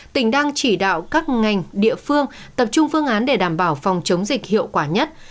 tỉnh đang chỉ đạo các ngành địa phương tập trung phương án để đảm bảo phòng chống dịch hiệu quả nhất